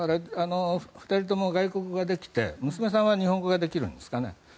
２人とも外国語ができて娘さんは日本語ができるんですかね